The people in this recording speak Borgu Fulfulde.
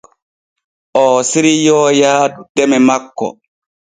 Oo siriyoo yaadu deme makko.